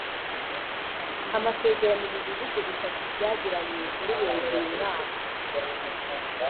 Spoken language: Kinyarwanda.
Amasezerano ibi bihugu bitatu byagiranye muri Werurwe uyu mwaka